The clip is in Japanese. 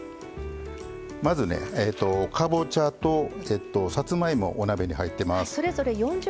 まず、かぼちゃと、さつまいもお鍋に入っています。